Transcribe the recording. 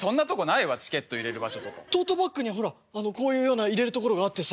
トートバッグにはほらこういうような入れるところがあってさ。